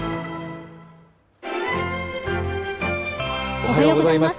おはようございます。